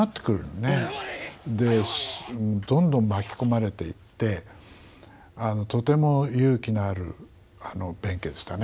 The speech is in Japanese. でどんどん巻き込まれていってとても勇気のある弁慶でしたね。